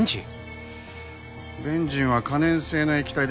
ベンジンは可燃性の液体ですね。